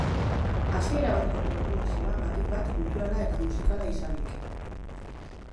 Hasiera bateko programazioa batik bat kulturala eta musikala izanik.